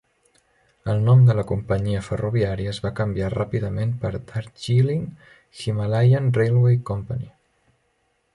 El nom de la companyia ferroviària es va canviar ràpidament per Darjeeling Himalayan Railway Company.